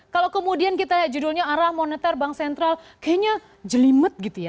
kalau kemudian kita judulnya arah moneter bank sentral kayaknya jelimet gitu ya